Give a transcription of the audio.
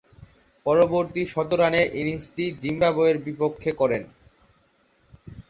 পরবর্তী শতরানের ইনিংসটি জিম্বাবুয়ের বিপক্ষে করেন।